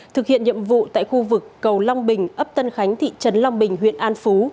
thực hiện nhiệm vụ tại khu vực cầu long bình ấp tân khánh thị trấn long bình huyện an phú